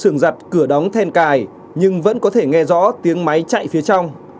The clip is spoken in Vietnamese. sườn giặt cửa đóng then cài nhưng vẫn có thể nghe rõ tiếng máy chạy phía trong